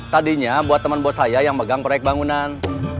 tadinya buat temen bos saya yang megang proyek bangunan